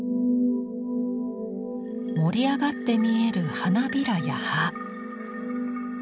盛り上がって見える花びらや葉。